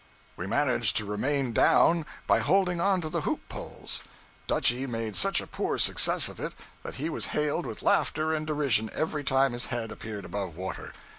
We managed to remain down by holding on to the hoop poles. Dutchy made such a poor success of it that he was hailed with laughter and derision every time his head appeared above water.